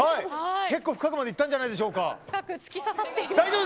結構深くまでいったんじゃないでしょうか。